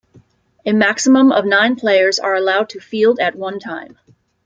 A maximum of nine players are allowed to field at one time.